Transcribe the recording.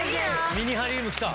ミニハリームきた。